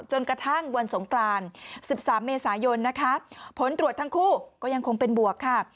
จนกระทั่งวันสงกราน๑๓เมษายนนะคะผลตรวจทั้งคู่ก็ยังคงเป็นบวกค่ะ